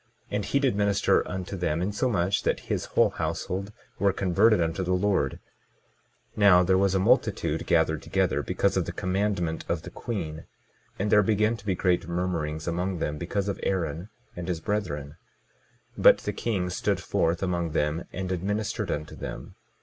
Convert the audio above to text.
And he did minister unto them, insomuch that his whole household were converted unto the Lord. 22:24 Now there was a multitude gathered together because of the commandment of the queen, and there began to be great murmurings among them because of Aaron and his brethren. 22:25 But the king stood forth among them and administered unto them.